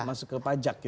masuk ke pajak gitu ya